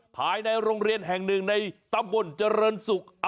ภายในโรงเรียนแห่งหนึ่งในตำบลเจริญศุกร์